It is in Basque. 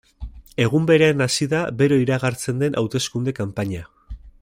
Egun berean hasi da bero iragartzen den hauteskunde kanpaina.